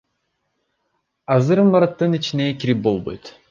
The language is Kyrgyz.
Азыр имараттын ичине кирип болбойт.